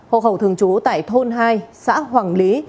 hộ khẩu thường trú tại thôn hai xã hoàng lý